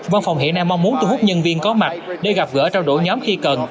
văn phòng hiện nay mong muốn thu hút nhân viên có mặt để gặp gỡ trao đổi nhóm khi cần